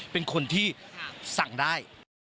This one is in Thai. เป็นคนที่สั่งได้